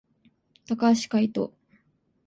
高橋海人